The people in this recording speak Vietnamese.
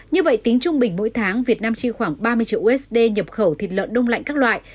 như vậy tính trung bình mỗi tháng việt nam chi khoảng ba mươi triệu usd nhập khẩu thịt lợn đông lạnh các loại